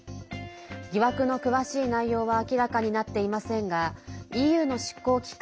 疑惑の詳しい内容は明らかになっていませんがＥＵの執行機関